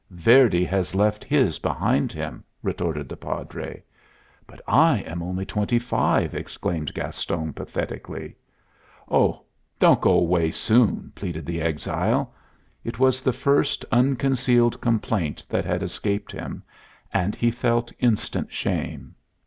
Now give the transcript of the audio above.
"Verdi has left his behind him," retorted the Padre. "But I am only twenty five!" exclaimed Gaston, pathetically. "Ah, don't go away soon!" pleaded the exile. It was the first unconcealed complaint that had escaped him, and he felt instant shame.